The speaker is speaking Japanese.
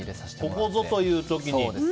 ここぞという時に。